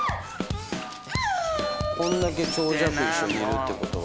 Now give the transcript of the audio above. こんだけ長尺一緒にいるってことは。